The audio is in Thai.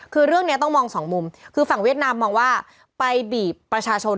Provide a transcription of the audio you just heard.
คือเรื่องนี้ต้องมองสองมุมคือฝั่งเวียดนามมองว่าไปบีบประชาชน